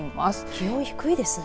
気温低いですね。